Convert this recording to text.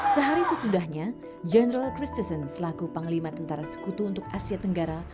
sehari sesudahnya general christisen selaku panglima tentara sekutu untuk asia tenggara